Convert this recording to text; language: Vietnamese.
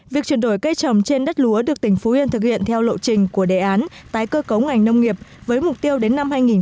việc chuyển đổi cây trồng trên đất lúa được tỉnh phú yên thực hiện theo lộ trình của đề án tái cơ cấu ngành nông nghiệp với mục tiêu đến năm hai nghìn hai mươi